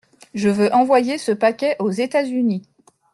Je veux envoyer ce paquet aux États-Unis.